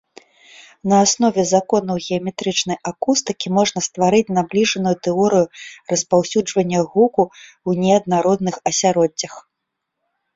На аснове законаў геаметрычнай акустыкі можна стварыць набліжаную тэорыю распаўсюджвання гуку ў неаднародных асяроддзях.